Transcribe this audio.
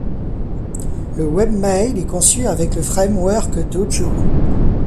Le Webmail est conçu avec le framework Dojo.